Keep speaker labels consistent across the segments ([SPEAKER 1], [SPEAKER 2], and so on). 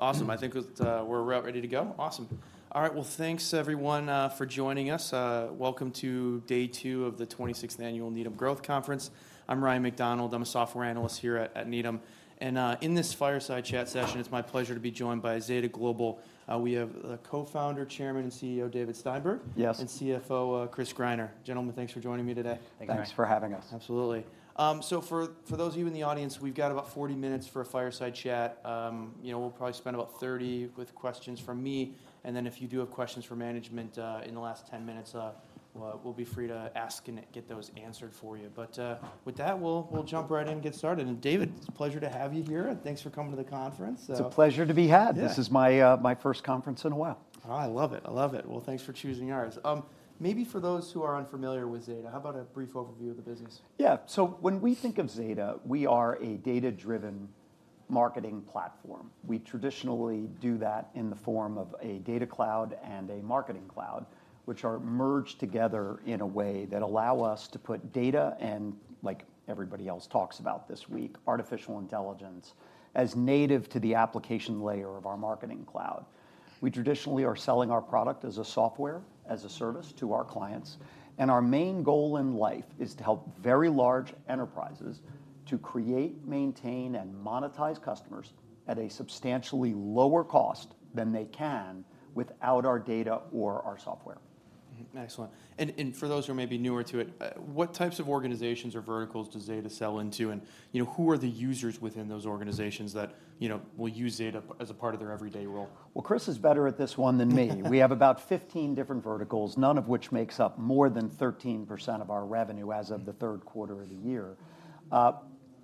[SPEAKER 1] Awesome. I think it's, we're about ready to go? Awesome. All right, well, thanks everyone, for joining us. Welcome to Day Two of the 26th Annual Needham Growth Conference. I'm Ryan MacDonald. I'm a software analyst here at, at Needham, and, in this fireside chat session, it's my pleasure to be joined by Zeta Global. We have the co-founder, chairman, and CEO, David Steinberg-
[SPEAKER 2] Yes.
[SPEAKER 1] -and CFO, Chris Greiner. Gentlemen, thanks for joining me today.
[SPEAKER 2] Thank you, Ryan.
[SPEAKER 3] Thanks for having us.
[SPEAKER 1] Absolutely. So for those of you in the audience, we've got about 40 minutes for a fireside chat. You know, we'll probably spend about 30 with questions from me, and then if you do have questions for management, in the last 10 minutes, well, we'll be free to ask and get those answered for you. But with that, we'll jump right in and get started. And David, it's a pleasure to have you here, and thanks for coming to the conference, so-
[SPEAKER 2] It's a pleasure to be had.
[SPEAKER 1] Yeah.
[SPEAKER 2] This is my first conference in a while.
[SPEAKER 1] Oh, I love it. I love it. Well, thanks for choosing ours. Maybe for those who are unfamiliar with Zeta, how about a brief overview of the business?
[SPEAKER 2] Yeah. So when we think of Zeta, we are a data-driven marketing platform. We traditionally do that in the form of a data cloud and a marketing cloud, which are merged together in a way that allow us to put data, and like everybody else talks about this week, artificial intelligence, as native to the application layer of our marketing cloud. We traditionally are selling our product as a software, as a service to our clients, and our main goal in life is to help very large enterprises to create, maintain, and monetize customers at a substantially lower cost than they can without our data or our software.
[SPEAKER 1] Mm-hmm. Excellent. And, and for those who are maybe newer to it, what types of organizations or verticals does Zeta sell into? And, you know, who are the users within those organizations that, you know, will use Zeta as a part of their everyday role?
[SPEAKER 2] Well, Chris is better at this one than me. We have about 15 different verticals, none of which makes up more than 13% of our revenue as of the third quarter of the year.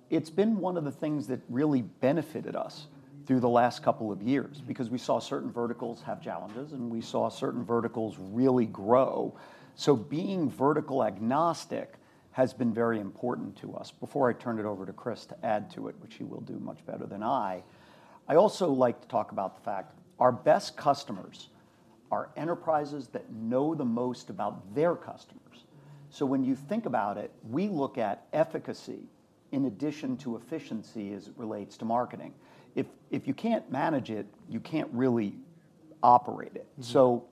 [SPEAKER 2] It's been one of the things that really benefited us through the last couple of years-
[SPEAKER 1] Mm...
[SPEAKER 2] because we saw certain verticals have challenges, and we saw certain verticals really grow. So being vertical agnostic has been very important to us. Before I turn it over to Chris to add to it, which he will do much better than I, I also like to talk about the fact, our best customers are enterprises that know the most about their customers. So when you think about it, we look at efficacy in addition to efficiency as it relates to marketing. If you can't manage it, you can't really operate it.
[SPEAKER 1] Mm-hmm.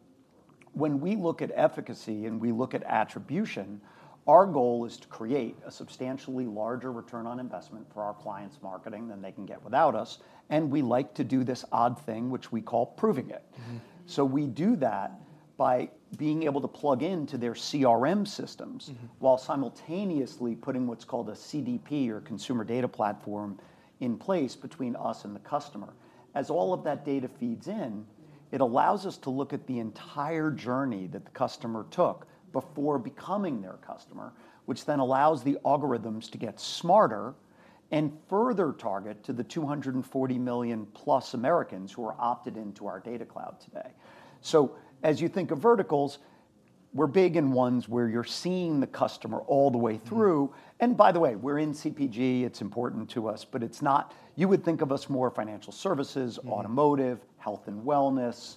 [SPEAKER 2] When we look at efficacy, and we look at attribution, our goal is to create a substantially larger return on investment for our clients' marketing than they can get without us, and we like to do this odd thing, which we call proving it.
[SPEAKER 1] Mm-hmm.
[SPEAKER 2] So we do that by being able to plug into their CRM systems-
[SPEAKER 1] Mm-hmm...
[SPEAKER 2] while simultaneously putting what's called a CDP, or consumer data platform, in place between us and the customer. As all of that data feeds in, it allows us to look at the entire journey that the customer took before becoming their customer, which then allows the algorithms to get smarter and further target to the 240 million-plus Americans who are opted into our data cloud today. So as you think of verticals, we're big in ones where you're seeing the customer all the way through.
[SPEAKER 1] Mm.
[SPEAKER 2] And by the way, we're in CPG, it's important to us, but it's not... You would think of us more financial services-
[SPEAKER 1] Mm...
[SPEAKER 2] automotive, health and wellness,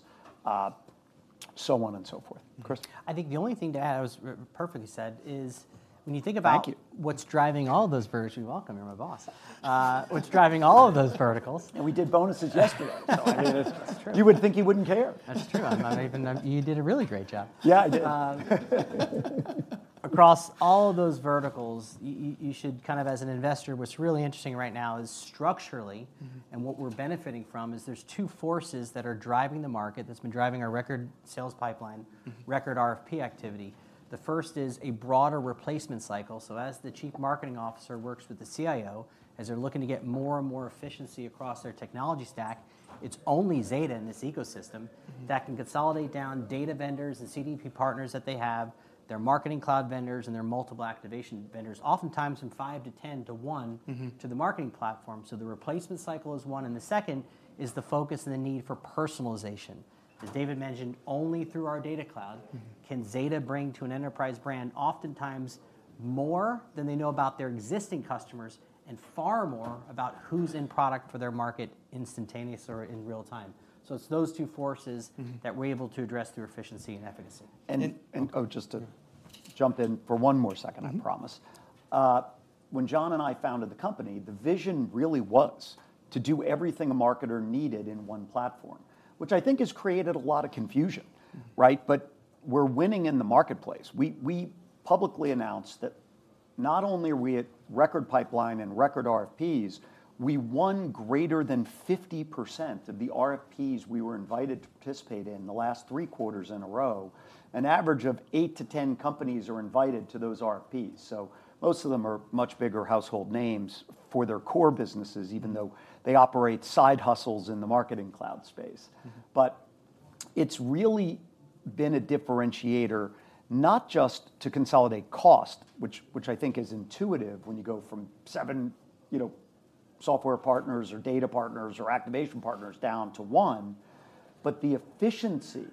[SPEAKER 2] so on and so forth. Chris?
[SPEAKER 3] I think the only thing to add, it was perfectly said, is when you think about-
[SPEAKER 2] Thank you...
[SPEAKER 3] what's driving all of those verticals? You're welcome. You're my boss. What's driving all of those verticals?
[SPEAKER 2] We did bonuses yesterday.
[SPEAKER 3] That's true.
[SPEAKER 2] You would think he wouldn't care.
[SPEAKER 3] That's true. You did a really great job.
[SPEAKER 2] Yeah, I did.
[SPEAKER 3] Across all of those verticals, you should kind of as an investor, what's really interesting right now is structurally-
[SPEAKER 2] Mm-hmm...
[SPEAKER 3] and what we're benefiting from is there's two forces that are driving the market, that's been driving our record sales pipeline-
[SPEAKER 2] Mm
[SPEAKER 3] ...record RFP activity. The first is a broader replacement cycle. So as the chief marketing officer works with the CIO, as they're looking to get more and more efficiency across their technology stack, it's only Zeta in this ecosystem.
[SPEAKER 2] Mm...
[SPEAKER 3] that can consolidate down data vendors, the CDP partners that they have, their marketing cloud vendors, and their multiple activation vendors, oftentimes from 5-10 to 1-
[SPEAKER 2] Mm-hmm...
[SPEAKER 3] to the marketing platform. So the replacement cycle is one, and the second is the focus and the need for personalization. As David mentioned, only through our data cloud-
[SPEAKER 2] Mm...
[SPEAKER 3] can Zeta bring to an enterprise brand, oftentimes more than they know about their existing customers and far more about who's in the market for their product, instantaneous or in real time, so it's those two forces-
[SPEAKER 2] Mm...
[SPEAKER 3] that we're able to address through efficiency and efficacy.
[SPEAKER 2] And, and-
[SPEAKER 1] Oh-...
[SPEAKER 2] oh, just to jump in for one more second, I promise.
[SPEAKER 1] Mm-hmm.
[SPEAKER 2] When John and I founded the company, the vision really was to do everything a marketer needed in one platform, which I think has created a lot of confusion, right?
[SPEAKER 1] Mm.
[SPEAKER 2] We're winning in the marketplace. We publicly announced that not only are we at record pipeline and record RFPs, we won greater than 50% of the RFPs we were invited to participate in the last 3 quarters in a row. An average of 8-10 companies are invited to those RFPs, so most of them are much bigger household names for their core businesses, even though they operate side hustles in the marketing cloud space.
[SPEAKER 1] Mm-hmm.
[SPEAKER 2] But it's really been a differentiator, not just to consolidate cost, which I think is intuitive when you go from 7, you know, software partners or data partners or activation partners down to 1, but the efficiency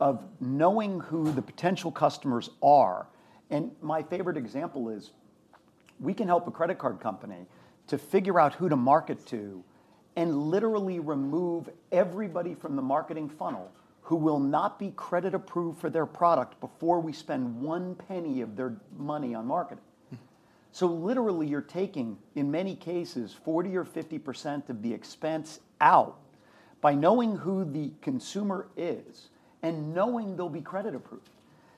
[SPEAKER 2] of knowing who the potential customers are. And my favorite example is, we can help a credit card company to figure out who to market to and literally remove everybody from the marketing funnel who will not be credit-approved for their product before we spend one penny of their money on marketing... So literally, you're taking, in many cases, 40% or 50% of the expense out by knowing who the consumer is and knowing they'll be credit approved.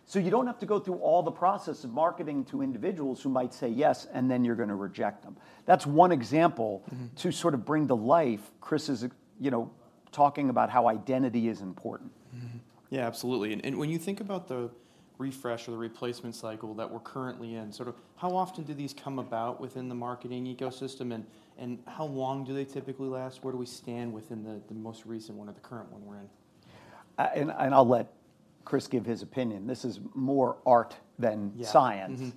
[SPEAKER 2] So you don't have to go through all the process of marketing to individuals who might say yes, and then you're gonna reject them. That's one example-
[SPEAKER 1] Mm-hmm.
[SPEAKER 2] To sort of bring to life Chris's, you know, talking about how identity is important.
[SPEAKER 1] Mm-hmm. Yeah, absolutely, and when you think about the refresh or the replacement cycle that we're currently in, sort of, how often do these come about within the marketing ecosystem, and how long do they typically last? Where do we stand within the most recent one or the current one we're in?
[SPEAKER 2] I'll let Chris give his opinion. This is more art than science.
[SPEAKER 3] Yeah.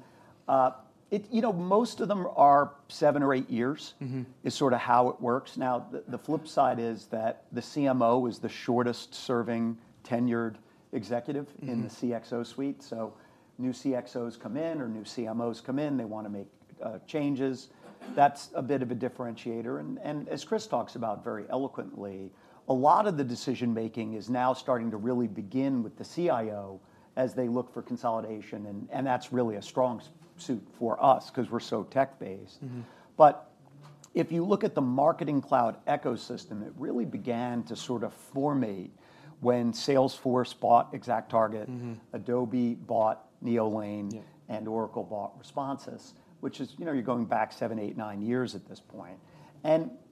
[SPEAKER 3] Mm-hmm.
[SPEAKER 2] You know, most of them are seven or eight years-
[SPEAKER 1] Mm-hmm...
[SPEAKER 2] is sorta how it works. Now, the flip side is that the CMO is the shortest serving tenured executive-
[SPEAKER 1] Mm...
[SPEAKER 2] in the CXO suite, so new CXOs come in, or new CMOs come in, they wanna make changes. That's a bit of a differentiator, and, and as Chris talks about very eloquently, a lot of the decision making is now starting to really begin with the CIO as they look for consolidation, and, and that's really a strong suit for us 'cause we're so tech-based.
[SPEAKER 1] Mm-hmm.
[SPEAKER 2] But if you look at the Marketing Cloud ecosystem, it really began to sort of form when Salesforce bought ExactTarget.
[SPEAKER 1] Mm-hmm...
[SPEAKER 2] Adobe bought Neolane-
[SPEAKER 1] Yeah...
[SPEAKER 2] and Oracle bought Responsys, which is, you know, you're going back seven, eight, nine years at this point.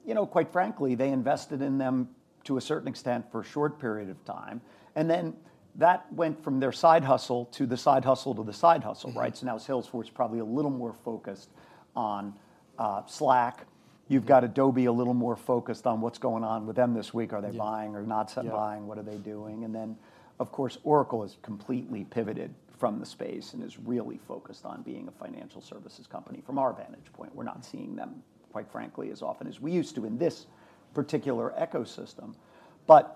[SPEAKER 2] You know, quite frankly, they invested in them, to a certain extent, for a short period of time, and then that went from their side hustle to the side hustle to the side hustle, right?
[SPEAKER 1] Mm-hmm.
[SPEAKER 2] So now Salesforce is probably a little more focused on, Slack. You've got Adobe a little more focused on what's going on with them this week.
[SPEAKER 3] Yeah.
[SPEAKER 2] Are they buying or not buying?
[SPEAKER 3] Yeah.
[SPEAKER 2] What are they doing? And then, of course, Oracle has completely pivoted from the space and is really focused on being a financial services company. From our vantage point, we're not seeing them, quite frankly, as often as we used to in this particular ecosystem. But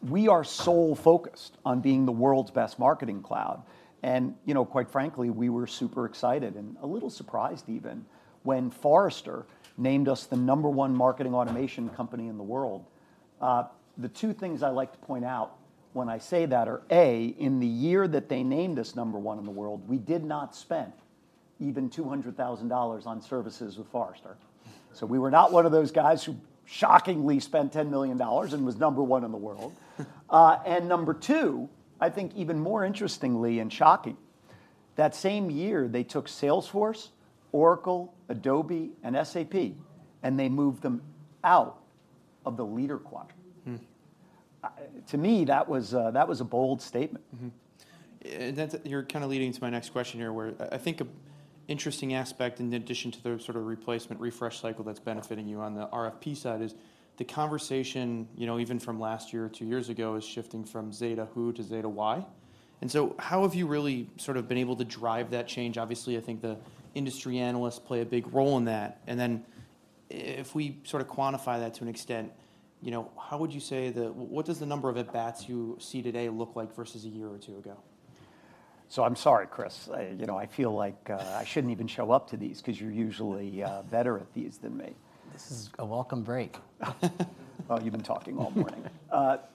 [SPEAKER 2] we are solely focused on being the world's best marketing cloud, and, you know, quite frankly, we were super excited and a little surprised even, when Forrester named us the number one marketing automation company in the world. The two things I like to point out when I say that are, A, in the year that they named us number one in the world, we did not spend even $200,000 on services with Forrester. So we were not one of those guys who shockingly spent $10 million and was number one in the world. And number two, I think even more interestingly and shocking, that same year, they took Salesforce, Oracle, Adobe, and SAP, and they moved them out of the leader quadrant.
[SPEAKER 1] Mm.
[SPEAKER 2] To me, that was a, that was a bold statement.
[SPEAKER 1] Mm-hmm. And that's, you're kind of leading to my next question here, where I think an interesting aspect in addition to the sort of replacement, refresh cycle that's benefiting you on the RFP side is, the conversation, you know, even from last year or two years ago, is shifting from Zeta who to Zeta why. And so how have you really sort of been able to drive that change? Obviously, I think the industry analysts play a big role in that, and then if we sort of quantify that to an extent, you know, how would you say what does the number of at bats you see today look like versus a year or two ago?
[SPEAKER 2] I'm sorry, Chris. You know, I feel like I shouldn't even show up to these 'cause you're usually better at these than me.
[SPEAKER 3] This is a welcome break.
[SPEAKER 2] Well, you've been talking all morning.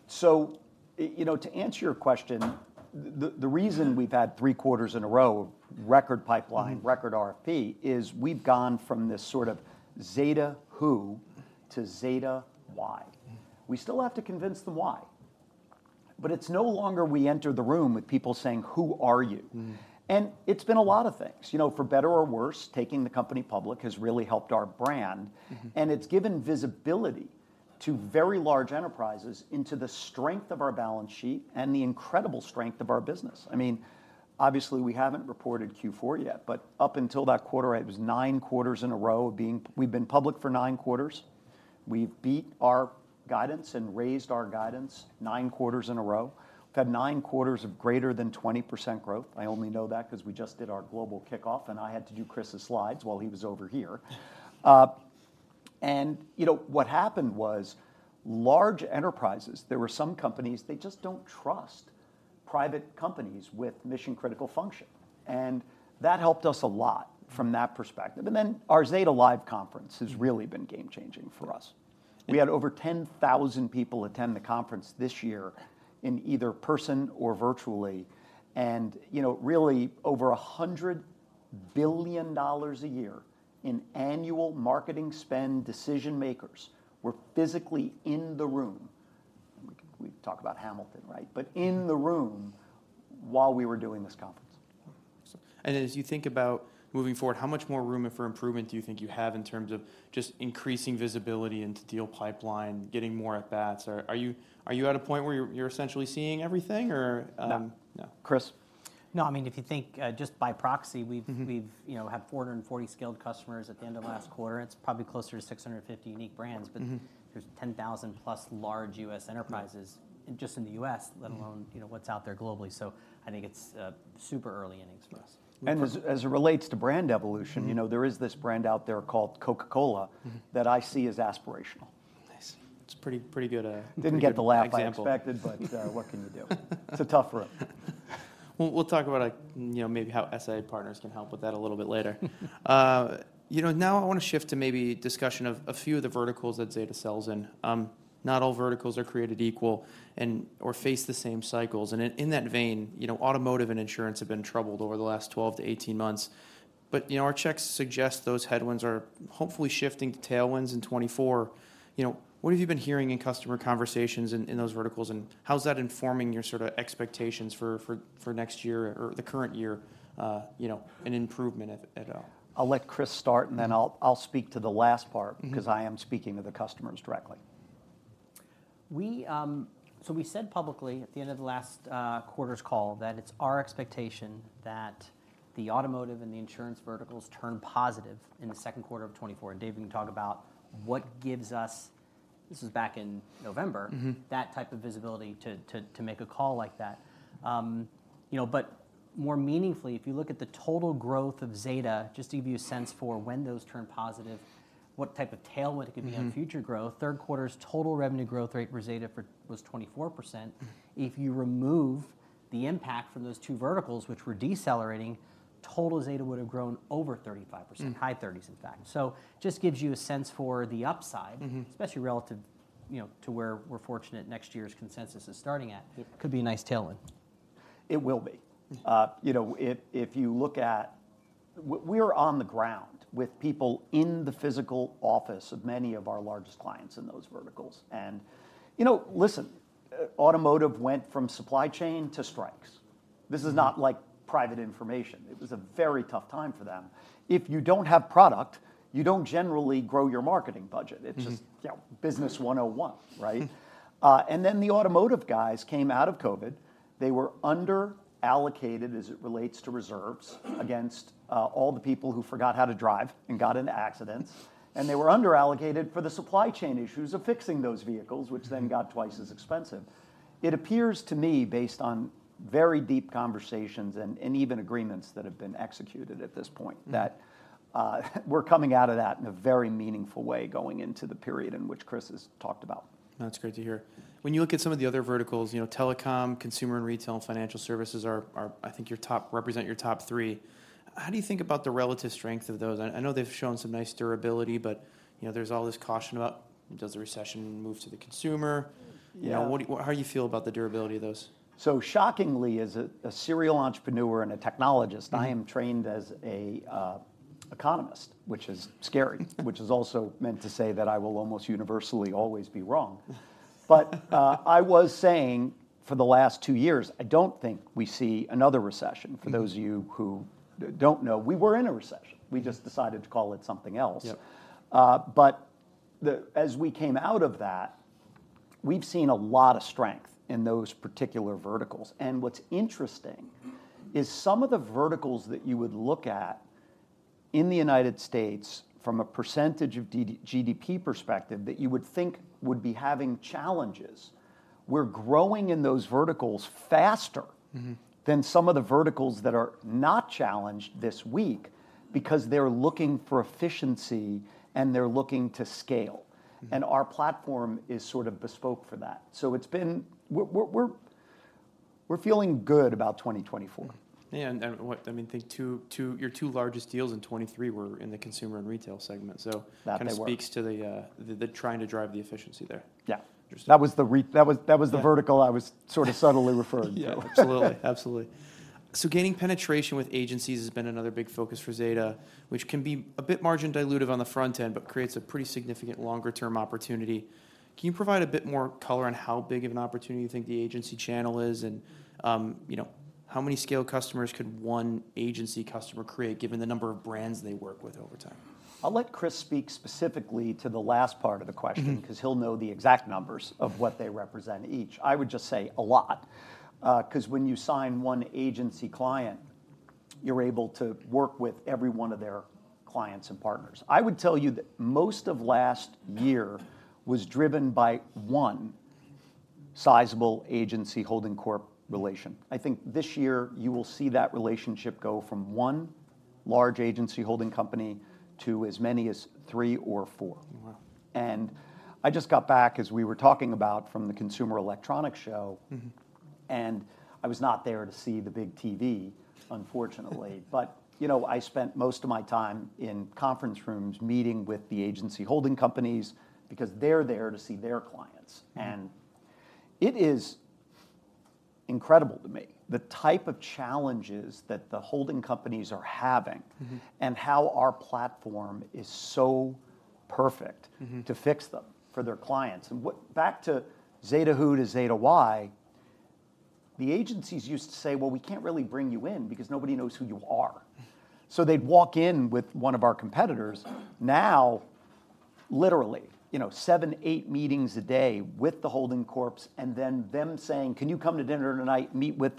[SPEAKER 2] So you know, to answer your question, the reason we've had three quarters in a row of record pipeline-
[SPEAKER 3] Mm...
[SPEAKER 2] record RFP, is we've gone from this sort of Zeta who to Zeta why.
[SPEAKER 1] Mm.
[SPEAKER 2] We still have to convince the why, but it's no longer we enter the room with people saying: Who are you?
[SPEAKER 1] Mm.
[SPEAKER 2] It's been a lot of things. You know, for better or worse, taking the company public has really helped our brand.
[SPEAKER 1] Mm-hmm.
[SPEAKER 2] It's given visibility to very large enterprises into the strength of our balance sheet and the incredible strength of our business. I mean, obviously, we haven't reported Q4 yet, but up until that quarter, it was nine quarters in a row we've been public for nine quarters. We've beat our guidance and raised our guidance nine quarters in a row. We've had nine quarters of greater than 20% growth. I only know that 'cause we just did our global kickoff, and I had to do Chris's slides while he was over here. And, you know, what happened was, large enterprises, there were some companies, they just don't trust private companies with mission-critical function, and that helped us a lot from that perspective. And then our ZetaLive conference.
[SPEAKER 1] Mm...
[SPEAKER 2] has really been game-changing for us.
[SPEAKER 1] Yeah.
[SPEAKER 2] We had over 10,000 people attend the conference this year in person or virtually, and, you know, really over $100 billion a year in annual marketing spend decision makers were physically in the room. We talk about Hamilton, right? But in the room while we were doing this conference.
[SPEAKER 1] Mm. And as you think about moving forward, how much more room for improvement do you think you have in terms of just increasing visibility into deal pipeline, getting more at bats? Are you at a point where you're essentially seeing everything or-
[SPEAKER 2] No.
[SPEAKER 1] No.
[SPEAKER 2] Chris?
[SPEAKER 3] No, I mean, if you think, just by proxy, we've-
[SPEAKER 2] Mm-hmm...
[SPEAKER 3] we've, you know, had 440 scaled customers at the end of last quarter. It's probably closer to 650 unique brands-
[SPEAKER 2] Mm-hmm...
[SPEAKER 3] but there's 10,000+ large U.S. enterprises-
[SPEAKER 2] Yeah ...
[SPEAKER 3] just in the U.S.-
[SPEAKER 2] Mm...
[SPEAKER 3] let alone, you know, what's out there globally. So I think it's super early innings for us.
[SPEAKER 2] As it relates to brand evolution-
[SPEAKER 3] Mm...
[SPEAKER 2] you know, there is this brand out there called Coca-Cola-
[SPEAKER 3] Mm...
[SPEAKER 2] that I see as aspirational.
[SPEAKER 3] Nice.
[SPEAKER 1] It's pretty, pretty good example.
[SPEAKER 2] Didn't get the laugh I expected, but, what can you do? It's a tough room.
[SPEAKER 1] We'll talk about, like, you know, maybe how SI Partners can help with that a little bit later. You know, now I wanna shift to maybe discussion of a few of the verticals that Zeta sells in. Not all verticals are created equal and, or face the same cycles, and in that vein, you know, automotive and insurance have been troubled over the last 12-18 months... but, you know, our checks suggest those headwinds are hopefully shifting to tailwinds in 2024. You know, what have you been hearing in customer conversations in those verticals, and how's that informing your sort of expectations for next year or the current year, you know, an improvement at, uh-
[SPEAKER 2] I'll let Chris start, and then I'll, I'll speak to the last part-
[SPEAKER 1] Mm-hmm...
[SPEAKER 2] 'cause I am speaking to the customers directly.
[SPEAKER 3] We said publicly at the end of the last quarter's call that it's our expectation that the automotive and the insurance verticals turn positive in the second quarter of 2024, and Dave can talk about what gives us. This is back in November-
[SPEAKER 1] Mm-hmm...
[SPEAKER 3] that type of visibility to make a call like that. You know, but more meaningfully, if you look at the total growth of Zeta, just to give you a sense for when those turn positive, what type of tailwind-
[SPEAKER 1] Mm-hmm...
[SPEAKER 3] it could be on future growth, third quarter's total revenue growth rate for Zeta was 24%.
[SPEAKER 1] Mm.
[SPEAKER 3] If you remove the impact from those two verticals, which were decelerating, total Zeta would've grown over 35%-
[SPEAKER 1] Mm...
[SPEAKER 3] high 30s, in fact. So just gives you a sense for the upside-
[SPEAKER 1] Mm-hmm...
[SPEAKER 3] especially relative, you know, to where we're fortunate next year's consensus is starting at.
[SPEAKER 1] It could be a nice tailwind.
[SPEAKER 2] It will be.
[SPEAKER 1] Mm.
[SPEAKER 2] You know, if you look at, we are on the ground with people in the physical office of many of our largest clients in those verticals, and, you know, listen, automotive went from supply chain to strikes. This is not like private information. It was a very tough time for them. If you don't have product, you don't generally grow your marketing budget.
[SPEAKER 1] Mm-hmm.
[SPEAKER 2] It's just, you know, business 101, right? And then the automotive guys came out of COVID. They were under-allocated as it relates to reserves against all the people who forgot how to drive and got into accidents. And they were under-allocated for the supply chain issues of fixing those vehicles, which then got twice as expensive. It appears to me, based on very deep conversations and even agreements that have been executed at this point-
[SPEAKER 1] Mm...
[SPEAKER 2] that, we're coming out of that in a very meaningful way, going into the period in which Chris has talked about.
[SPEAKER 1] That's great to hear. When you look at some of the other verticals, you know, telecom, consumer and retail, and financial services are, I think, your top, represent your top three. How do you think about the relative strength of those? I know they've shown some nice durability, but, you know, there's all this caution about, does the recession move to the consumer?
[SPEAKER 2] Yeah.
[SPEAKER 1] You know, how do you feel about the durability of those?
[SPEAKER 2] So shockingly, as a serial entrepreneur and a technologist-
[SPEAKER 1] Mm...
[SPEAKER 2] I am trained as a economist, which is scary. Which is also meant to say that I will almost universally always be wrong. But, I was saying for the last two years, I don't think we see another recession.
[SPEAKER 1] Mm.
[SPEAKER 2] For those of you who don't know, we were in a recession. We just decided to call it something else.
[SPEAKER 1] Yep.
[SPEAKER 2] but as we came out of that, we've seen a lot of strength in those particular verticals, and what's interesting is some of the verticals that you would look at in the United States, from a percentage of debt-to-GDP perspective, that you would think would be having challenges, we're growing in those verticals faster-
[SPEAKER 1] Mm-hmm...
[SPEAKER 2] than some of the verticals that are not challenged this week, because they're looking for efficiency, and they're looking to scale.
[SPEAKER 1] Mm.
[SPEAKER 2] Our platform is sort of bespoke for that. It's been... We're feeling good about 2024.
[SPEAKER 1] Yeah, and what I mean, think 2, 2, your 2 largest deals in 2023 were in the consumer and retail segment, so-
[SPEAKER 2] That they were....
[SPEAKER 1] kind of speaks to the trying to drive the efficiency there.
[SPEAKER 2] Yeah.
[SPEAKER 1] Interesting.
[SPEAKER 2] That was.
[SPEAKER 1] Yeah...
[SPEAKER 2] the vertical I was sort of subtly referring to.
[SPEAKER 1] Yeah, absolutely. Absolutely. So gaining penetration with agencies has been another big focus for Zeta, which can be a bit margin dilutive on the front end, but creates a pretty significant longer-term opportunity. Can you provide a bit more color on how big of an opportunity you think the agency channel is, and, you know, how many scale customers could one agency customer create, given the number of brands they work with over time?
[SPEAKER 2] I'll let Chris speak specifically to the last part of the question.
[SPEAKER 1] Mm-hmm...
[SPEAKER 2] 'cause he'll know the exact numbers of what they represent each. I would just say a lot, 'cause when you sign one agency client, you're able to work with every one of their clients and partners. I would tell you that most of last year was driven by one sizable agency holding company relationship. I think this year you will see that relationship go from one large agency holding company to as many as three or four.
[SPEAKER 1] Wow.
[SPEAKER 2] I just got back, as we were talking about, from the Consumer Electronics Show.
[SPEAKER 1] Mm-hmm.
[SPEAKER 2] I was not there to see the big TV, unfortunately. But, you know, I spent most of my time in conference rooms, meeting with the agency holding companies, because they're there to see their clients.
[SPEAKER 1] Mm.
[SPEAKER 2] It is incredible to me, the type of challenges that the holding companies are having.
[SPEAKER 1] Mm-hmm...
[SPEAKER 2] and how our platform is so perfect-
[SPEAKER 1] Mm-hmm...
[SPEAKER 2] to fix them for their clients. And back to Zeta, why the agencies used to say, "Well, we can't really bring you in, because nobody knows who you are." So they'd walk in with one of our competitors. Now, literally, you know, seven, eight meetings a day with the holding corps, and then them saying: "Can you come to dinner tonight, meet with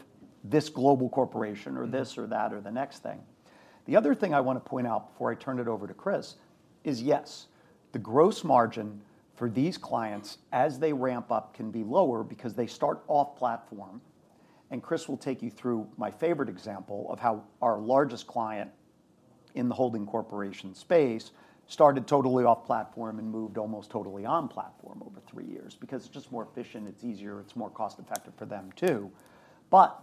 [SPEAKER 2] this global corporation?
[SPEAKER 1] Mm.
[SPEAKER 2] Or this or that or the next thing. The other thing I want to point out before I turn it over to Chris is, yes, the gross margin for these clients as they ramp up can be lower because they start off platform, and Chris will take you through my favorite example of how our largest client in the holding corporation space started totally off platform and moved almost totally on platform over three years. Because it's just more efficient, it's easier, it's more cost-effective for them, too. But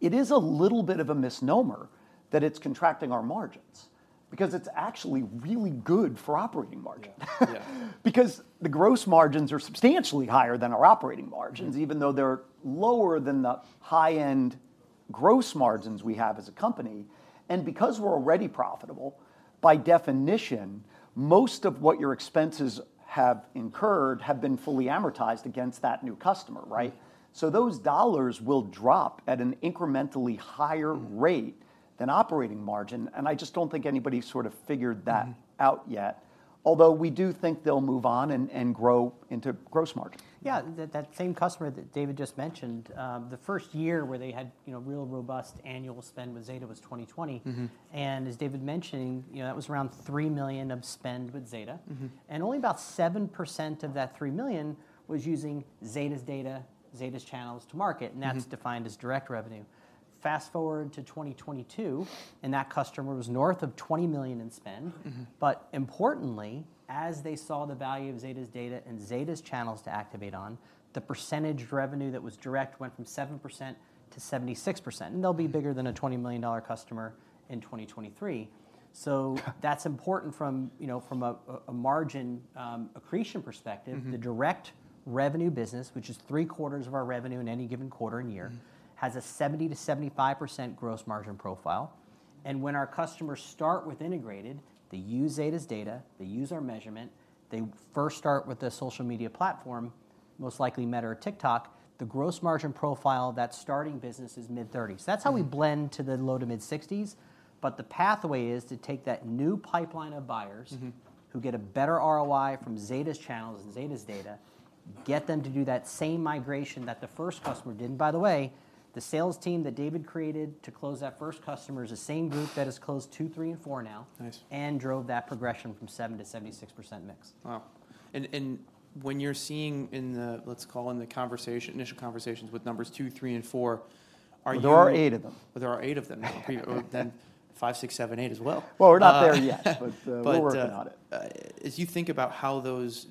[SPEAKER 2] it is a little bit of a misnomer that it's contracting our margin, because it's actually really good for operating margin.
[SPEAKER 1] Yeah. Yeah.
[SPEAKER 2] Because the gross margins are substantially higher than our operating margins.
[SPEAKER 1] Mm...
[SPEAKER 2] even though they're lower than the high-end gross margins we have as a company. Because we're already profitable, by definition, most of what your expenses have incurred have been fully amortized against that new customer, right?
[SPEAKER 1] Mm.
[SPEAKER 2] Those dollars will drop at an incrementally higher rate-
[SPEAKER 1] Mm...
[SPEAKER 2] than operating margin, and I just don't think anybody's sort of figured that out yet.
[SPEAKER 1] Mm.
[SPEAKER 2] Although we do think they'll move on and grow into gross margin.
[SPEAKER 3] Yeah, that same customer that David just mentioned, the first year where they had, you know, real robust annual spend with Zeta was 2020.
[SPEAKER 2] Mm-hmm.
[SPEAKER 3] As David mentioning, you know, that was around $3 million of spend with Zeta.
[SPEAKER 2] Mm-hmm.
[SPEAKER 3] Only about 7% of that 3 million was using Zeta's data, Zeta's channels to market-
[SPEAKER 2] Mm...
[SPEAKER 3] and that's defined as direct revenue. Fast-forward to 2022, and that customer was north of $20 million in spend.
[SPEAKER 2] Mm-hmm.
[SPEAKER 3] But importantly, as they saw the value of Zeta's data and Zeta's channels to activate on, the percentage of revenue that was direct went from 7%–76%, and they'll be bigger than a $20 million customer in 2023. So that's important from, you know, from a margin accretion perspective.
[SPEAKER 2] Mm-hmm.
[SPEAKER 3] The direct revenue business, which is three-quarters of our revenue in any given quarter and year-
[SPEAKER 2] Mm ...
[SPEAKER 3] has a 70%-75% gross margin profile, and when our customers start with integrated, they use Zeta's data, they use our measurement. They first start with a social media platform, most likely Meta or TikTok. The gross margin profile of that starting business is mid-30s%.
[SPEAKER 2] Mm.
[SPEAKER 3] That's how we blend to the low- to mid-60s, but the pathway is to take that new pipeline of buyers-
[SPEAKER 2] Mm-hmm...
[SPEAKER 3] who get a better ROI from Zeta's channels and Zeta's data, get them to do that same migration that the first customer did. And by the way, the sales team that David created to close that first customer is the same group that has closed two, three, and four now-
[SPEAKER 2] Nice...
[SPEAKER 3] and drove that progression from 7%–76% mix.
[SPEAKER 1] Wow. And, and when you're seeing in the, let's call in the conversation—initial conversations with numbers two, three and four, are you—
[SPEAKER 2] Well, there are eight of them.
[SPEAKER 1] There are 8 of them now. Then five, six, seven, eight as well.
[SPEAKER 2] Well, we're not there yet, but we're working on it.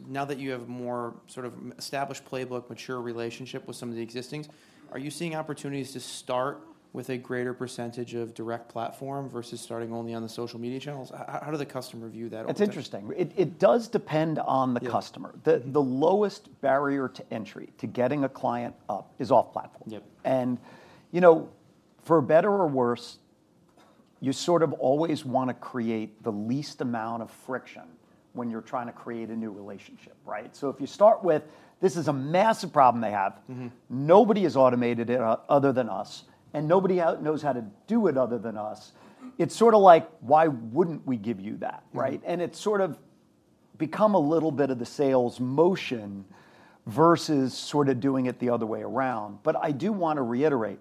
[SPEAKER 1] Now that you have a more sort of established playbook, mature relationship with some of the existings, are you seeing opportunities to start with a greater percentage of direct platform versus starting only on the social media channels? How, how, how does the customer view that?
[SPEAKER 2] It's interesting. It does depend on the customer.
[SPEAKER 1] Yeah. Mm-hmm.
[SPEAKER 2] The lowest barrier to entry, to getting a client up, is off platform.
[SPEAKER 1] Yep.
[SPEAKER 2] You know, for better or worse, you sort of always wanna create the least amount of friction when you're trying to create a new relationship, right? So if you start with, "This is a massive problem they have-
[SPEAKER 1] Mm-hmm...
[SPEAKER 2] nobody has automated it, other than us, and nobody knows how to do it other than us," it's sorta like, "Why wouldn't we give you that," right?
[SPEAKER 1] Mm-hmm.
[SPEAKER 2] It's sort of become a little bit of the sales motion versus sorta doing it the other way around. But I do wanna reiterate,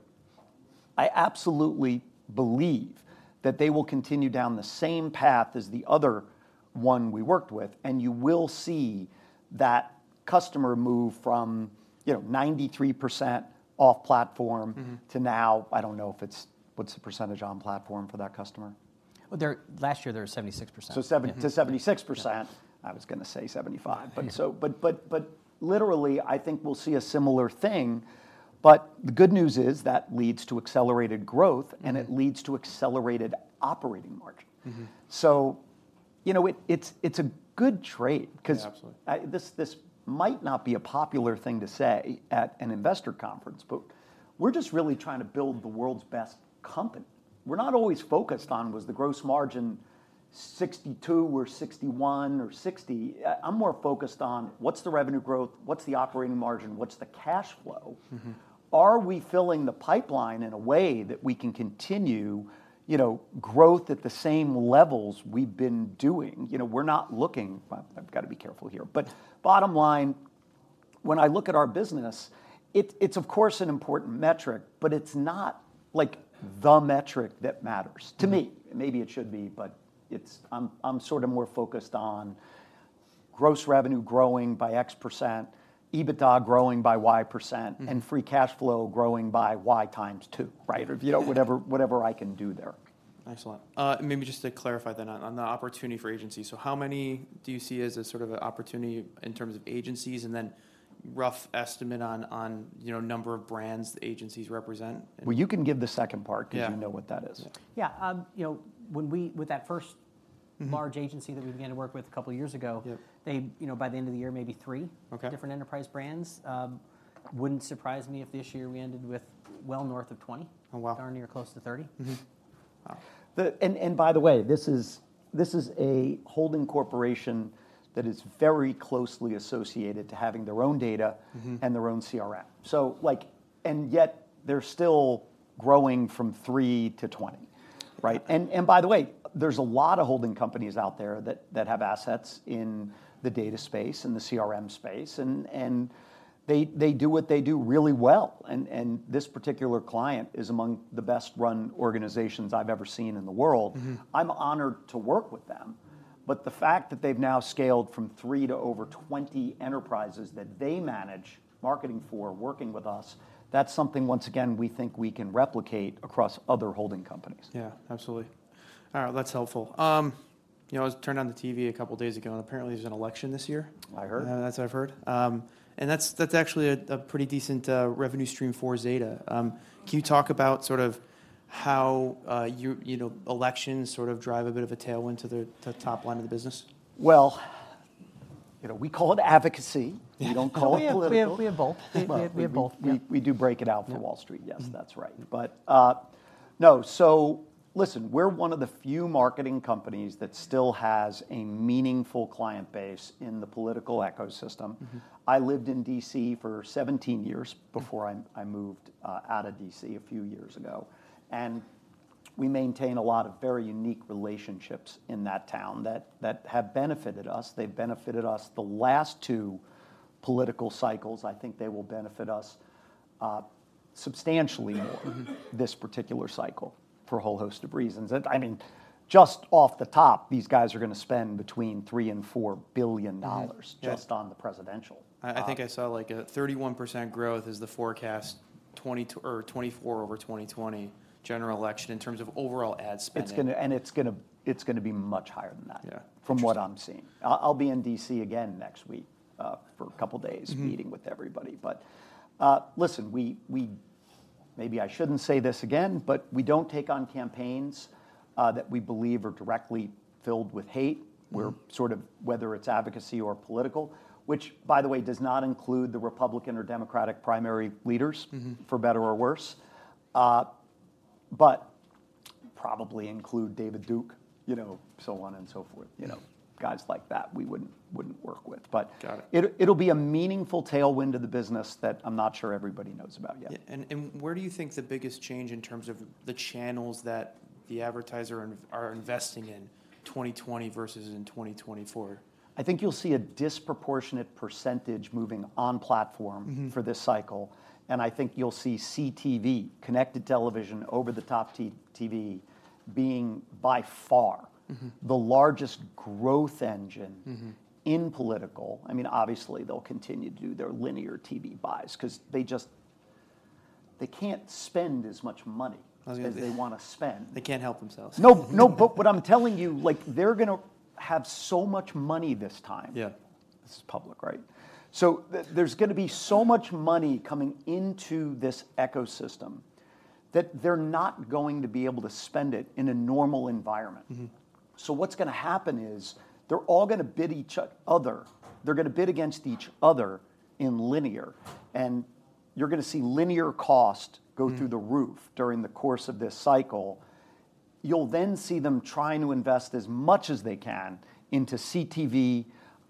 [SPEAKER 2] I absolutely believe that they will continue down the same path as the other one we worked with, and you will see that customer move from, you know, 93% off platform-
[SPEAKER 1] Mm-hmm...
[SPEAKER 2] to now, I don't know if it's... What's the percentage on platform for that customer?
[SPEAKER 3] Well, there, last year they were 76%.
[SPEAKER 2] So 70%–
[SPEAKER 3] Mm
[SPEAKER 2] ...76%.
[SPEAKER 3] Yeah.
[SPEAKER 2] I was gonna say 75. But so, literally, I think we'll see a similar thing, but the good news is that leads to accelerated growth, and it leads to accelerated operating margin.
[SPEAKER 1] Mm-hmm.
[SPEAKER 2] You know, it's a good trade, 'cause-
[SPEAKER 1] Yeah, absolutely...
[SPEAKER 2] this might not be a popular thing to say at an investor conference, but we're just really trying to build the world's best company. We're not always focused on, was the gross margin 62% or 61% or 60%? I'm more focused on: What's the revenue growth? What's the operating margin? What's the cash flow?
[SPEAKER 1] Mm-hmm.
[SPEAKER 2] Are we filling the pipeline in a way that we can continue, you know, growth at the same levels we've been doing? You know, we're not looking... Well, I've gotta be careful here, but bottom line, when I look at our business, it, it's of course an important metric, but it's not, like, the metric that matters to me.
[SPEAKER 1] Mm.
[SPEAKER 2] Maybe it should be, but it's... I'm sorta more focused on gross revenue growing by X%, EBITDA growing by Y%.
[SPEAKER 1] Mm...
[SPEAKER 2] and free cash flow growing by Y x 2, right? Or, you know, whatever, whatever I can do there.
[SPEAKER 1] Excellent. And maybe just to clarify then on, on the opportunity for agencies, so how many do you see as a sort of a opportunity in terms of agencies, and then rough estimate on, on, you know, number of brands the agencies represent?
[SPEAKER 2] Well, you can give the second part-
[SPEAKER 1] Yeah...
[SPEAKER 2] 'cause you know what that is.
[SPEAKER 3] Yeah. You know, when with that first-
[SPEAKER 2] Mm...
[SPEAKER 3] large agency that we began to work with a couple years ago-
[SPEAKER 2] Yeah...
[SPEAKER 3] they, you know, by the end of the year, maybe three-
[SPEAKER 2] Okay...
[SPEAKER 3] different enterprise brands. Wouldn't surprise me if this year we ended with well north of 20-
[SPEAKER 2] Oh, wow...
[SPEAKER 3] darn near close to 30.
[SPEAKER 2] Mm-hmm.
[SPEAKER 1] Wow.
[SPEAKER 2] And by the way, this is a holding corporation that is very closely associated to having their own data-
[SPEAKER 1] Mm-hmm...
[SPEAKER 2] and their own CRM. So, like, and yet they're still growing from 3–20, right?
[SPEAKER 1] Yeah.
[SPEAKER 2] And by the way, there's a lot of holding companies out there that have assets in the data space, in the CRM space, and they do what they do really well. And this particular client is among the best-run organizations I've ever seen in the world.
[SPEAKER 1] Mm-hmm.
[SPEAKER 2] I'm honored to work with them, but the fact that they've now scaled from 3 to over 20 enterprises that they manage marketing for, working with us, that's something, once again, we think we can replicate across other holding companies.
[SPEAKER 1] Yeah, absolutely. All right, that's helpful. You know, I was turning on the TV a couple days ago, and apparently there's an election this year.
[SPEAKER 2] I heard.
[SPEAKER 1] That's what I've heard. And that's actually a pretty decent revenue stream for Zeta. Can you talk about sort of how you know elections sort of drive a bit of a tailwind to the top line of the business?
[SPEAKER 2] Well, you know, we call it advocacy.
[SPEAKER 1] Yeah
[SPEAKER 2] We don't call it political.
[SPEAKER 3] We have both.
[SPEAKER 2] Well-
[SPEAKER 3] We have both, yeah....
[SPEAKER 2] we do break it out for Wall Street.
[SPEAKER 3] Yeah.
[SPEAKER 2] Yes, that's right. But, no, so listen, we're one of the few marketing companies that still has a meaningful client base in the political ecosystem.
[SPEAKER 1] Mm-hmm.
[SPEAKER 2] I lived in D.C. for 17 years before I moved out of D.C. a few years ago, and we maintain a lot of very unique relationships in that town that have benefited us. They've benefited us the last two political cycles. I think they will benefit us substantially more-
[SPEAKER 1] Mm-hmm...
[SPEAKER 2] this particular cycle, for a whole host of reasons. I mean, just off the top, these guys are gonna spend between $3 billion and $4 billion-
[SPEAKER 1] Mm-hmm. Yeah...
[SPEAKER 2] just on the presidential.
[SPEAKER 1] I think I saw, like, a 31% growth is the forecast, 2024 over 2020 general election in terms of overall ad spending.
[SPEAKER 2] It's gonna be much higher than that-
[SPEAKER 1] Yeah...
[SPEAKER 2] from what I'm seeing. I'll be in D.C. again next week for a couple days.
[SPEAKER 1] Mm-hmm...
[SPEAKER 2] meeting with everybody. But, listen, we maybe I shouldn't say this again, but we don't take on campaigns that we believe are directly filled with hate.
[SPEAKER 1] Mm-hmm.
[SPEAKER 2] We're sort of, whether it's advocacy or political, which, by the way, does not include the Republican or Democratic primary leaders-
[SPEAKER 1] Mm-hmm...
[SPEAKER 2] for better or worse. But probably include David Duke, you know, so on and so forth. You know, guys like that, we wouldn't work with. But-
[SPEAKER 1] Got it...
[SPEAKER 2] it'll be a meaningful tailwind to the business that I'm not sure everybody knows about yet.
[SPEAKER 1] Yeah, and where do you think the biggest change in terms of the channels that the advertiser are investing in 2020 versus in 2024?
[SPEAKER 2] I think you'll see a disproportionate percentage moving on platform.
[SPEAKER 1] Mm-hmm...
[SPEAKER 2] for this cycle, and I think you'll see CTV, connected television, over-the-top TV, being by far-
[SPEAKER 1] Mm-hmm...
[SPEAKER 2] the largest growth engine-
[SPEAKER 1] Mm-hmm...
[SPEAKER 2] in political. I mean, obviously, they'll continue to do their linear TV buys, 'cause they just... They can't spend as much money-
[SPEAKER 1] I was gonna-...
[SPEAKER 2] as they wanna spend.
[SPEAKER 1] They can't help themselves.
[SPEAKER 2] No, no, but what I'm telling you, like, they're gonna have so much money this time.
[SPEAKER 1] Yeah.
[SPEAKER 2] This is public, right? So there's gonna be so much money coming into this ecosystem, that they're not going to be able to spend it in a normal environment.
[SPEAKER 1] Mm-hmm.
[SPEAKER 2] So what's gonna happen is, they're all gonna bid each other. They're gonna bid against each other in linear, and you're gonna see linear cost go through the roof.
[SPEAKER 1] Mm...
[SPEAKER 2] during the course of this cycle. You'll then see them trying to invest as much as they can into CTV,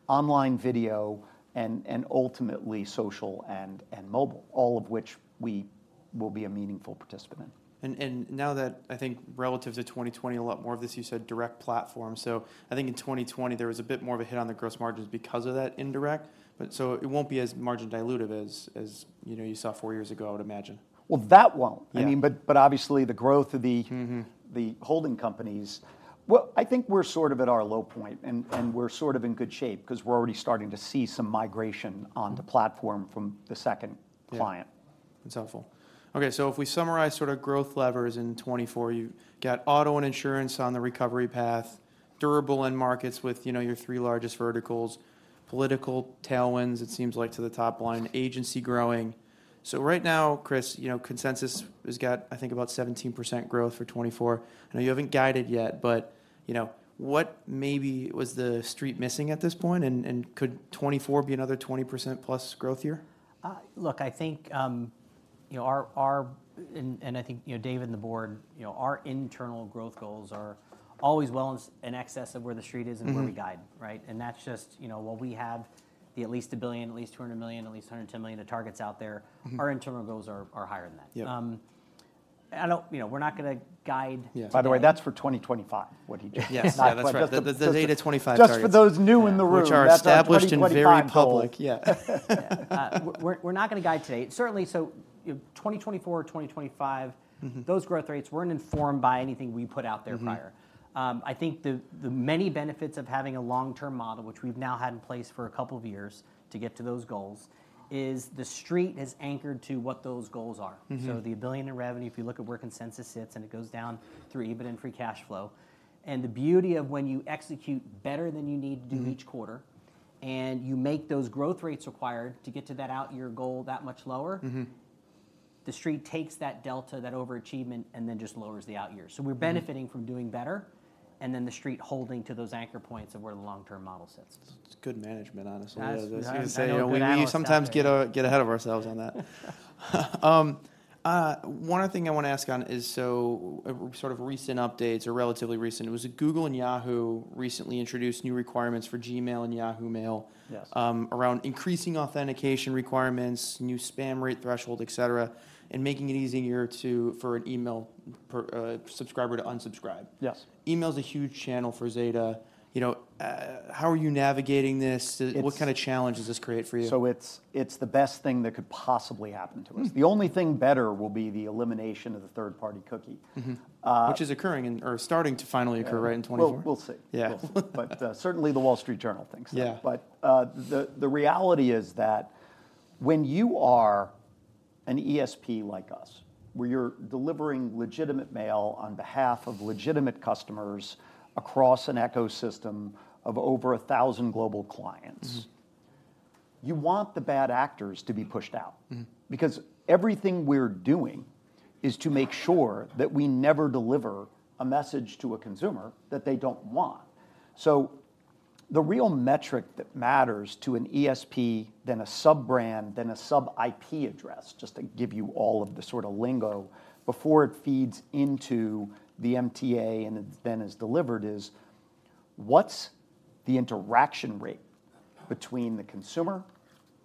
[SPEAKER 2] online video, and ultimately, social and mobile, all of which we will be a meaningful participant in.
[SPEAKER 1] Now that, I think relative to 2020, a lot more of this, you said, direct platform. So I think in 2020, there was a bit more of a hit on the gross margins because of that indirect, but so it won't be as margin dilutive as, you know, you saw 4 years ago, I would imagine.
[SPEAKER 2] Well, that won't.
[SPEAKER 1] Yeah.
[SPEAKER 2] I mean, but, but obviously, the growth of the-
[SPEAKER 1] Mm-hmm
[SPEAKER 2] ...the holding companies... Well, I think we're sort of at our low point, and we're sort of in good shape, 'cause we're already starting to see some migration on the platform from the second client.
[SPEAKER 1] Yeah. That's helpful. Okay, so if we summarize sort of growth levers in 2024, you got auto and insurance on the recovery path, durable end markets with, you know, your three largest verticals, political tailwinds, it seems like, to the top line, agency growing. So right now, Chris, you know, consensus has got, I think, about 17% growth for 2024. I know you haven't guided yet, but you know, what maybe was the Street missing at this point, and, and could 2024 be another 20%+ growth year?
[SPEAKER 3] Look, I think, you know, Dave and the board, you know, our internal growth goals are always well in excess of where the Street is-
[SPEAKER 1] Mm-hmm...
[SPEAKER 3] and where we guide, right? That's just, you know, while we have at least 1 billion, at least 200 million, at least 110 million, the targets out there-
[SPEAKER 1] Mm-hmm...
[SPEAKER 3] our internal goals are higher than that.
[SPEAKER 1] Yeah.
[SPEAKER 3] I don't... You know, we're not gonna guide-
[SPEAKER 2] Yeah. By the way, that's for 2025, what he just -
[SPEAKER 1] Yes. Yeah, that's right. The Zeta 2025 targets.
[SPEAKER 2] Just for those new in the room-
[SPEAKER 1] Which are established-
[SPEAKER 2] That's our 2025 goals....
[SPEAKER 1] and very public, yeah.
[SPEAKER 3] Yeah. We're not gonna guide today. Certainly, so, you know, 2024, 2025-
[SPEAKER 1] Mm-hmm...
[SPEAKER 3] those growth rates weren't informed by anything we put out there prior.
[SPEAKER 1] Mm-hmm.
[SPEAKER 3] I think the many benefits of having a long-term model, which we've now had in place for a couple of years to get to those goals, is the Street is anchored to what those goals are.
[SPEAKER 1] Mm-hmm.
[SPEAKER 3] So $1 billion in revenue, if you look at where consensus sits, and it goes down through EBITDA and free cash flow, and the beauty of when you execute better than you need to do each quarter-
[SPEAKER 1] Mm-hmm...
[SPEAKER 3] and you make those growth rates required to get to that out-year goal that much lower-
[SPEAKER 1] Mm-hmm ...
[SPEAKER 3] the Street takes that delta, that overachievement, and then just lowers the out years.
[SPEAKER 1] Mm-hmm.
[SPEAKER 3] We're benefiting from doing better, and then the Street holding to those anchor points of where the long-term model sits.
[SPEAKER 1] It's good management, honestly.
[SPEAKER 3] That's-
[SPEAKER 1] I was gonna say, we sometimes get ahead of ourselves on that. One other thing I wanna ask on is, so sort of recent updates or relatively recent, was it Google and Yahoo recently introduced new requirements for Gmail and Yahoo Mail?
[SPEAKER 2] Yes...
[SPEAKER 1] around increasing authentication requirements, new spam rate threshold, et cetera, and making it easier to, for an email subscriber to unsubscribe?
[SPEAKER 2] Yes.
[SPEAKER 1] Email's a huge channel for Zeta. You know, how are you navigating this?
[SPEAKER 2] It's-
[SPEAKER 1] What kind of challenge does this create for you?
[SPEAKER 2] It's, it's the best thing that could possibly happen to us.
[SPEAKER 1] Mm.
[SPEAKER 2] The only thing better will be the elimination of the Third-Party Cookie.
[SPEAKER 1] Mm-hmm.
[SPEAKER 2] Uh-
[SPEAKER 1] Which is occurring in, or starting to finally occur, right, in 2024?
[SPEAKER 2] Well, we'll see.
[SPEAKER 1] Yeah.
[SPEAKER 2] We'll see. But, certainly the Wall Street Journal thinks so.
[SPEAKER 1] Yeah.
[SPEAKER 2] But, the reality is that when you are an ESP like us, where you're delivering legitimate mail on behalf of legitimate customers across an ecosystem of over a thousand global clients.
[SPEAKER 1] Mm-hmm.
[SPEAKER 2] You want the bad actors to be pushed out.
[SPEAKER 1] Mm-hmm.
[SPEAKER 2] Because everything we're doing is to make sure that we never deliver a message to a consumer that they don't want. So the real metric that matters to an ESP, then a sub-brand, then a sub-IP address, just to give you all of the sort of lingo, before it feeds into the MTA and it then is delivered, is what's the interaction rate between the consumer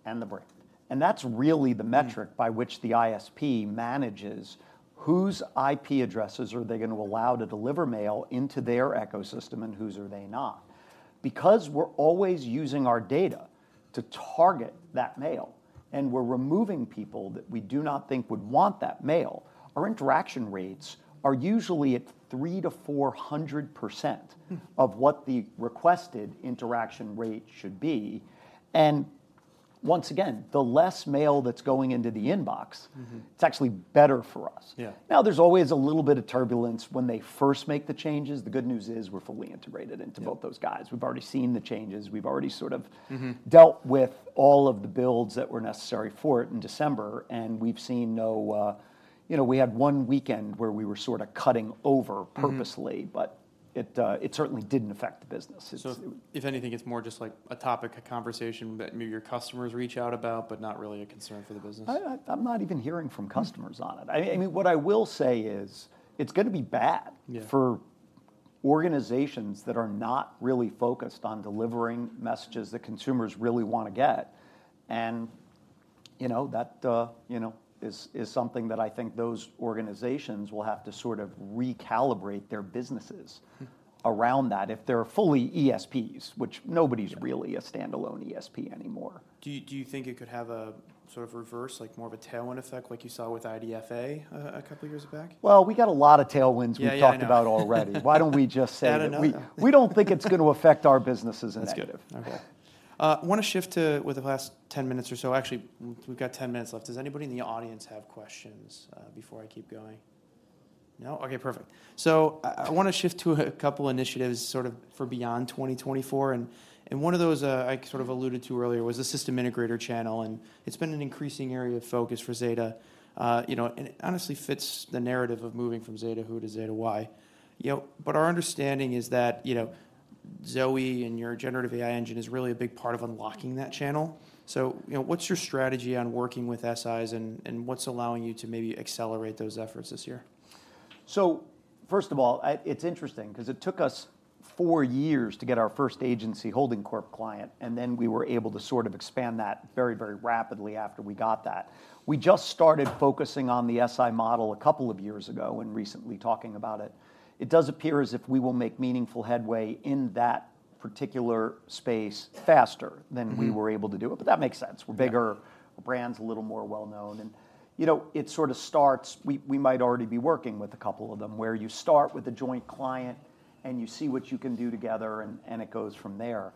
[SPEAKER 2] and the brand? And that's really the metric-
[SPEAKER 1] Mm...
[SPEAKER 2] by which the ISP manages whose IP addresses are they gonna allow to deliver mail into their ecosystem, and whose are they not? Because we're always using our data to target that mail, and we're removing people that we do not think would want that mail, our interaction rates are usually at 3%-400%-
[SPEAKER 1] Mm...
[SPEAKER 2] of what the requested interaction rate should be. Once again, the less mail that's going into the inbox-
[SPEAKER 1] Mm-hmm...
[SPEAKER 2] it's actually better for us.
[SPEAKER 1] Yeah.
[SPEAKER 2] Now, there's always a little bit of turbulence when they first make the changes. The good news is, we're fully integrated into-
[SPEAKER 1] Yeah...
[SPEAKER 2] both those guys. We've already seen the changes. We've already sort of-
[SPEAKER 1] Mm-hmm...
[SPEAKER 2] dealt with all of the builds that were necessary for it in December, and we've seen no... You know, we had one weekend where we were sort of cutting over purposely-
[SPEAKER 1] Mm ...
[SPEAKER 2] but it certainly didn't affect the business. It's, it-
[SPEAKER 1] If anything, it's more just like a topic of conversation that maybe your customers reach out about, but not really a concern for the business?
[SPEAKER 2] I'm not even hearing from customers on it.
[SPEAKER 1] Mm.
[SPEAKER 2] I mean, what I will say is, it's gonna be bad.
[SPEAKER 1] Yeah...
[SPEAKER 2] for organizations that are not really focused on delivering messages that consumers really wanna get. And, you know, that, you know, is something that I think those organizations will have to sort of recalibrate their businesses-
[SPEAKER 1] Mm...
[SPEAKER 2] around that, if they're fully ESPs, which nobody's-
[SPEAKER 1] Sure...
[SPEAKER 2] really a standalone ESP anymore.
[SPEAKER 1] Do you, do you think it could have a sort of reverse, like more of a tailwind effect, like you saw with IDFA, a couple of years back?
[SPEAKER 2] Well, we got a lot of tailwinds-
[SPEAKER 1] Yeah, yeah, I know....
[SPEAKER 2] we've talked about already. Why don't we just say-
[SPEAKER 1] Yeah, no, no....
[SPEAKER 2] we don't think it's gonna affect our businesses in any-
[SPEAKER 1] That's good.
[SPEAKER 2] Okay.
[SPEAKER 1] I wanna shift to, with the last 10 minutes or so... Actually, we've got 10 minutes left. Does anybody in the audience have questions before I keep going? No? Okay, perfect. So I wanna shift to a couple initiatives sort of for beyond 2024, and one of those, I sort of alluded to earlier, was the system integrator channel, and it's been an increasing area of focus for Zeta. You know, and it honestly fits the narrative of moving from Zeta who to Zeta why. You know, but our understanding is that, you know, ZOE and your generative AI engine is really a big part of unlocking that channel. So, you know, what's your strategy on working with SIs, and what's allowing you to maybe accelerate those efforts this year?
[SPEAKER 2] So first of all, it's interesting, 'cause it took us four years to get our first agency holding corp client, and then we were able to sort of expand that very, very rapidly after we got that. We just started focusing on the SI model a couple of years ago, and recently talking about it. It does appear as if we will make meaningful headway in that particular space faster-
[SPEAKER 1] Mm-hmm...
[SPEAKER 2] than we were able to do it, but that makes sense.
[SPEAKER 1] Yeah.
[SPEAKER 2] We're bigger, our brand's a little more well known. You know, it sort of starts, we might already be working with a couple of them, where you start with a joint client, and you see what you can do together and it goes from there.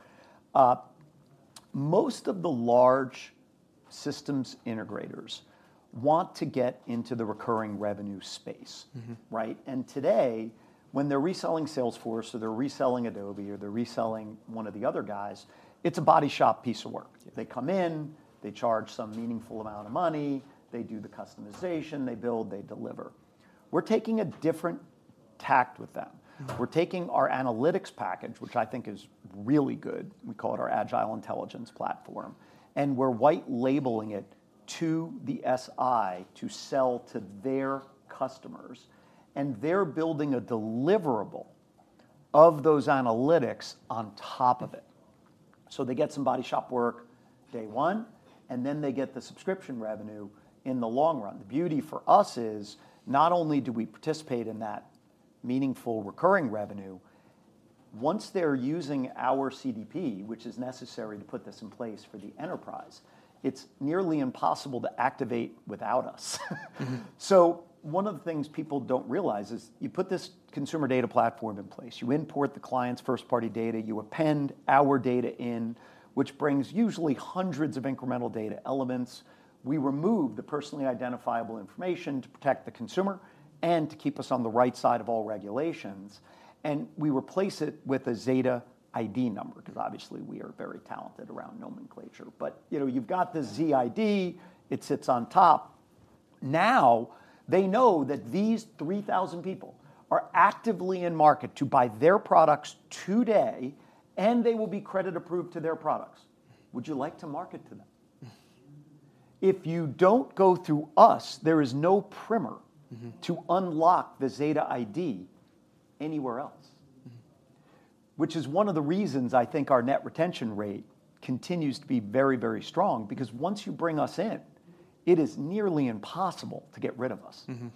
[SPEAKER 2] Most of the large systems integrators want to get into the recurring revenue space.
[SPEAKER 1] Mm-hmm.
[SPEAKER 2] Right? And today, when they're reselling Salesforce, or they're reselling Adobe, or they're reselling one of the other guys, it's a body shop piece of work.
[SPEAKER 1] Yeah.
[SPEAKER 2] They come in, they charge some meaningful amount of money, they do the customization, they build, they deliver. We're taking a different tack with them.
[SPEAKER 1] Mm.
[SPEAKER 2] We're taking our analytics package, which I think is really good, we call it our Agile Intelligence Platform, and we're white labeling it to the SI to sell to their customers, and they're building a deliverable of those analytics on top of it. So they get some body shop work day one, and then they get the subscription revenue in the long run. The beauty for us is, not only do we participate in that meaningful recurring revenue, once they're using our CDP, which is necessary to put this in place for the enterprise, it's nearly impossible to activate without us.
[SPEAKER 1] Mm.
[SPEAKER 2] So one of the things people don't realize is, you put this consumer data platform in place, you import the client's first-party data, you append our data in, which brings usually hundreds of incremental data elements. We remove the personally identifiable information to protect the consumer and to keep us on the right side of all regulations, and we replace it with a Zeta ID number, 'cause obviously, we are very talented around nomenclature. But, you know, you've got the ZID, it sits on top. Now, they know that these 3,000 people are actively in market to buy their products today, and they will be credit approved to their products. Would you like to market to them?
[SPEAKER 1] Mm.
[SPEAKER 2] If you don't go through us, there is no primer-
[SPEAKER 1] Mm-hmm...
[SPEAKER 2] to unlock the Zeta ID anywhere else.
[SPEAKER 1] Mm.
[SPEAKER 2] Which is one of the reasons I think our Net Retention Rate continues to be very, very strong, because once you bring us in, it is nearly impossible to get rid of us.
[SPEAKER 1] Mm-hmm.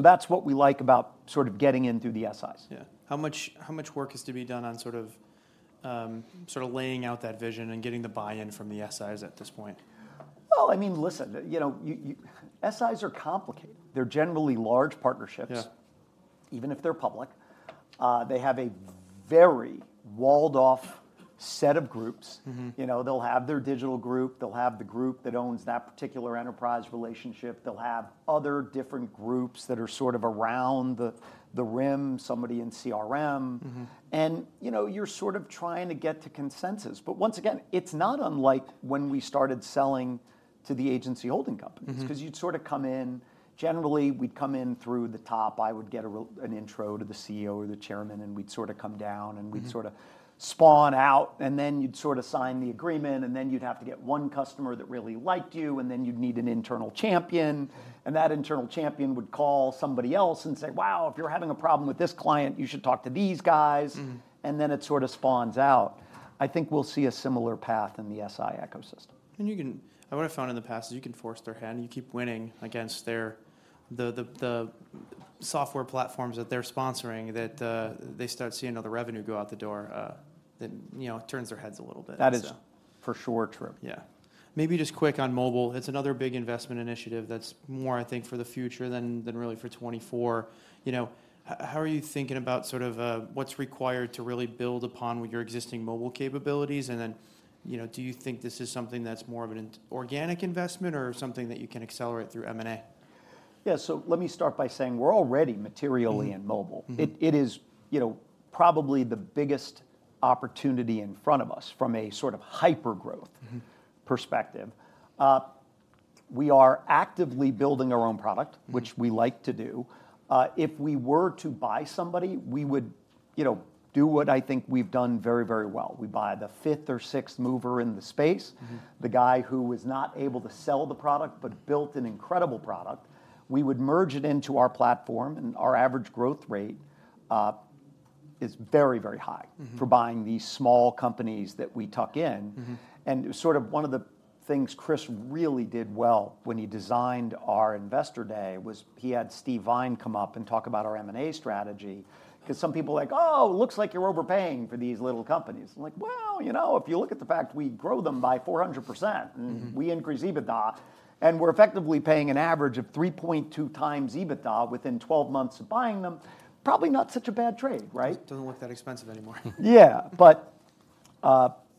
[SPEAKER 2] That's what we like about sort of getting in through the SIs.
[SPEAKER 1] Yeah. How much, how much work is to be done on sort of, sort of laying out that vision and getting the buy-in from the SIs at this point?
[SPEAKER 2] Well, I mean, listen, you know... SIs are complicated. They're generally large partnerships... even if they're public, they have a very walled-off set of groups.
[SPEAKER 1] Mm-hmm.
[SPEAKER 2] You know, they'll have their digital group, they'll have the group that owns that particular enterprise relationship, they'll have other different groups that are sort of around the rim, somebody in CRM.
[SPEAKER 1] Mm-hmm.
[SPEAKER 2] You know, you're sort of trying to get to consensus. Once again, it's not unlike when we started selling to the agency holding companies.
[SPEAKER 1] Mm-hmm.
[SPEAKER 2] 'Cause you'd sort of come in... Generally, we'd come in through the top. I would get an intro to the CEO or the Chairman, and we'd sort of come down-
[SPEAKER 1] Mm-hmm...
[SPEAKER 2] and we'd sort of spawn out, and then you'd sort of sign the agreement, and then you'd have to get one customer that really liked you, and then you'd need an internal champion. And that internal champion would call somebody else and say, "Wow, if you're having a problem with this client, you should talk to these guys.
[SPEAKER 1] Mm-hmm.
[SPEAKER 2] And then it sort of spawns out. I think we'll see a similar path in the SI ecosystem.
[SPEAKER 1] What I've found in the past is you can force their hand. You keep winning against their software platforms that they're sponsoring, that they start seeing all the revenue go out the door, then, you know, it turns their heads a little bit.
[SPEAKER 2] That is for sure true.
[SPEAKER 1] Yeah. Maybe just quick on mobile, it's another big investment initiative that's more, I think, for the future than really for 2024. You know, how are you thinking about sort of, what's required to really build upon with your existing mobile capabilities? And then, you know, do you think this is something that's more of an organic investment or something that you can accelerate through M&A?
[SPEAKER 2] Yeah, let me start by saying we're already materially in mobile.
[SPEAKER 1] Mm-hmm. Mm-hmm.
[SPEAKER 2] It is, you know, probably the biggest opportunity in front of us from a sort of hyper growth-
[SPEAKER 1] Mm-hmm...
[SPEAKER 2] perspective. We are actively building our own product-
[SPEAKER 1] Mm-hmm...
[SPEAKER 2] which we like to do. If we were to buy somebody, we would, you know, do what I think we've done very, very well. We buy the fifth or sixth mover in the space.
[SPEAKER 1] Mm-hmm.
[SPEAKER 2] The guy who was not able to sell the product, but built an incredible product. We would merge it into our platform, and our average growth rate is very, very high-
[SPEAKER 1] Mm-hmm...
[SPEAKER 2] for buying these small companies that we tuck in.
[SPEAKER 1] Mm-hmm.
[SPEAKER 2] Sort of one of the things Chris really did well when he designed our investor day was he had Steve Vine come up and talk about our M&A strategy. 'Cause some people are like, "Oh, looks like you're overpaying for these little companies." I'm like, "Well, you know, if you look at the fact we grow them by 400%-
[SPEAKER 1] Mm-hmm...
[SPEAKER 2] we increase EBITDA, and we're effectively paying an average of 3.2x EBITDA within 12 months of buying them, probably not such a bad trade, right?
[SPEAKER 1] Doesn't look that expensive anymore.
[SPEAKER 2] Yeah. But,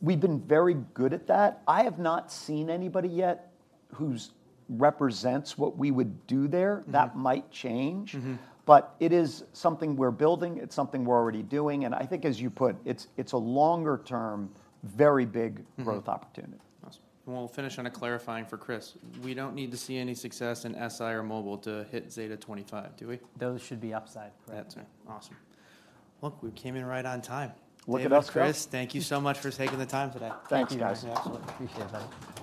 [SPEAKER 2] we've been very good at that. I have not seen anybody yet who represents what we would do there.
[SPEAKER 1] Mm-hmm.
[SPEAKER 2] That might change.
[SPEAKER 1] Mm-hmm.
[SPEAKER 2] But it is something we're building, it's something we're already doing, and I think as you put, it's a longer term, very big-
[SPEAKER 1] Mm-hmm...
[SPEAKER 2] growth opportunity.
[SPEAKER 1] Awesome. We'll finish on a clarifying for Chris. We don't need to see any success in SI or mobile to hit Zeta 25, do we? Those should be upside, correct. Awesome. Well, we came in right on time.
[SPEAKER 2] Look at us, Chris.
[SPEAKER 1] David, Chris, thank you so much for taking the time today.
[SPEAKER 2] Thanks, guys.
[SPEAKER 1] Absolutely.
[SPEAKER 2] Appreciate that.